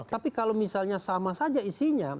tapi kalau misalnya sama saja isinya